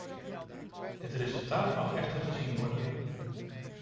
Het resultaat mag echter gezien worden.